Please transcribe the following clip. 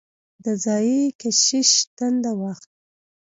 د ځايي کشیش دنده واخلي.